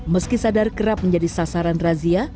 meski sadar kerap menjadi sasaran razia